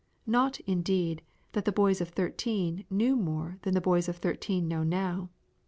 Not, indeed, that the boys of thirteen knew more then than the boys of thirteen know now.